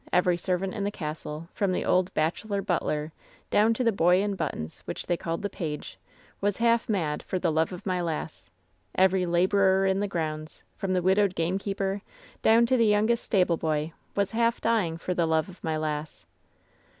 Every servant in the castle, from the old bachelor butler down to the boy in buttons, which they called the page, was half mad for the love of my lass. Every laborer in the grounds, from the widowed gamekeeper down to the youngest stable boy, was half dying for the love of my lass.